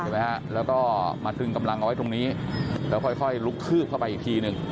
แล้วก็มาเรื่องกำลังเอาไว้ตรงนี้และค่อยลุกลุชืบเข้าไปอีกทีหนึ่ง